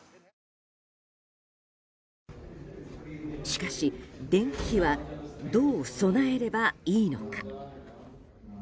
しかし、電気はどう備えればいいのか。